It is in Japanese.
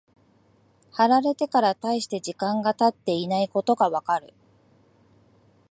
貼られてから大して時間が経っていないことがわかる。